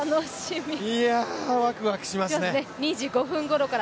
いやワクワクしますね。